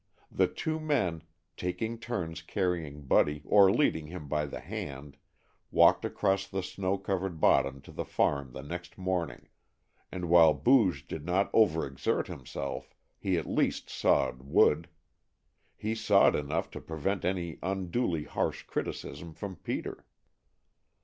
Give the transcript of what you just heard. The two men, taking turns carrying Buddy or leading him by the hand, walked across the snow covered bottom to the farm the next morning, and while Booge did not over exert himself, he at least sawed wood. He sawed enough to prevent any unduly harsh criticism from Peter.